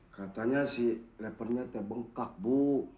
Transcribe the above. katanya si lappernya terbengkak bu